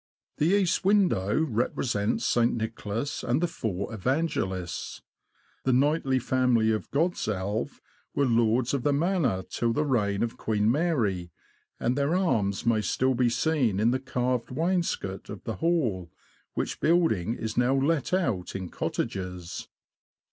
The east window represents St. Nicholas and the four Evangelists. The knightly 56 THE LAND OF THE RROADS. family of Godsalve were lords of the manor till the reign of Queen Mary, and their arms may still be seen in the carved wainscot of the Hall, which build ing is now let out in cottages.